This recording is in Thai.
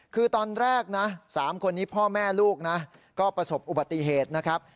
คือตอนแรกนะ๓คนนี้พ่อแม่ลูกนะก็ประสบอุบัติเหตุนะครับ